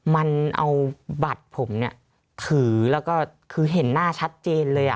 มันเอาบัตรผมเนี่ยถือแล้วก็คือเห็นหน้าชัดเจนเลย